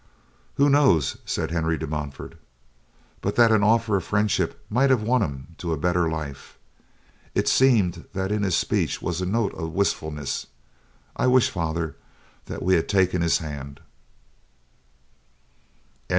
"Who knows," said Henry de Montfort, "but that an offer of friendship might have won him to a better life. It seemed that in his speech was a note of wistfulness. I wish, father, that we had taken his hand."